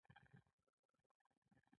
د وردګو مڼې بهر ته ځي؟